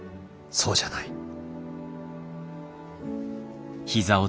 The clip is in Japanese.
そうじゃない。